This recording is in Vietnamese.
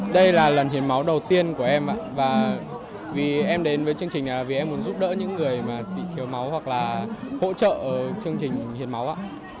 đây là lần hiến máu đầu tiên của em ạ và vì em đến với chương trình này là vì em muốn giúp đỡ những người mà thiếu máu hoặc là hỗ trợ ở chương trình hiến máu ạ